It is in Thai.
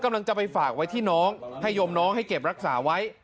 กำลังจะไปฝากไว้ที่น้องให้ยมน้องให้เก็บรักษาไว้